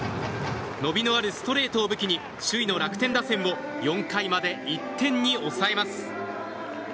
伸びのあるストレートを武器に首位の楽天打線を４回まで１点に抑えます。